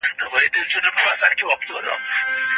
د دې ګلونه د مچیو لپاره خواړه دي.